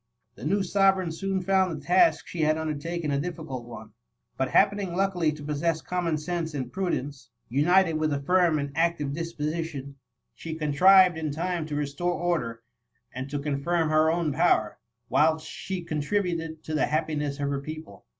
The new sovereign soon found the task she had undertaken a difficult one;' but happening luckily to possess common sense and prudence, united with a firm and active disposition, ^e B 5 10 THE MUMMT. contrived in time to restore order, and to con firm her own power, whilst she contributed to the happiness of her people.